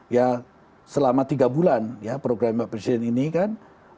ya selama tiga bulan ya program pak presiden ini kan